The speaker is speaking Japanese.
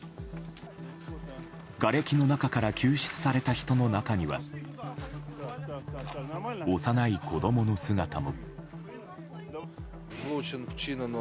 がれきの中から救出された人の中には幼い子供の姿も。